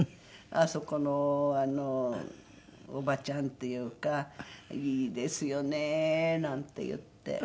「あそこのあのおばちゃんっていうかいいですよね」なんて言って。